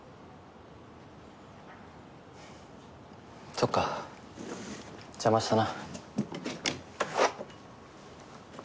そっか邪魔したな。